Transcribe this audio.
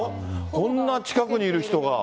こんな近くにいる人が。